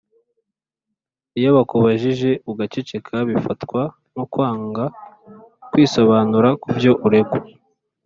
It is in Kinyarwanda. Iyo bakubajije ugaceceka Bifatwa nko kwanga kwisobanura kubyo uregwa